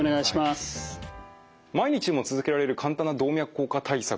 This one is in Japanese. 毎日でも続けられる簡単な動脈硬化対策